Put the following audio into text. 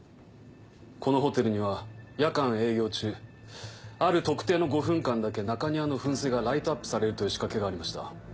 このホテルには夜間営業中ある特定の５分間だけ中庭の噴水がライトアップされるという仕掛けがありました。